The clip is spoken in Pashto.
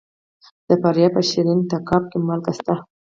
د فاریاب په شیرین تګاب کې مالګه شته.